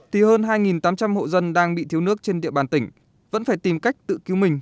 thì hơn hai tám trăm linh hộ dân đang bị thiếu nước trên địa bàn tỉnh vẫn phải tìm cách tự cứu mình